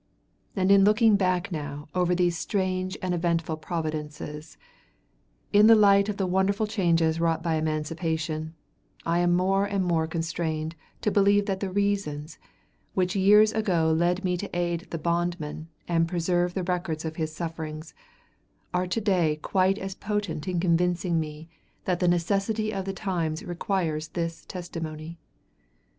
And in looking back now over these strange and eventful Providences, in the light of the wonderful changes wrought by Emancipation, I am more and more constrained to believe that the reasons, which years ago led me to aid the bondman and preserve the records of his sufferings, are to day quite as potent in convincing me that the necessity of the times requires this testimony.